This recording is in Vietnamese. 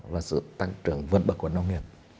và sự tăng trưởng vượt bậc của nông nghiệp